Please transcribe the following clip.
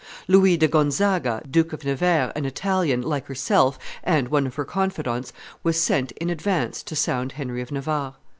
Louis di Gonzaga, Duke of Nevers, an Italian, like herself, and one of her confidants, was sent in advance to sound Henry of Navarre.